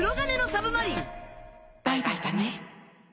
バイバイだね。